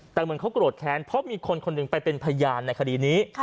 แต่เหมือนเขาโกรธแค้นเพราะมีคนคนหนึ่งไปเป็นพยานในคดีนี้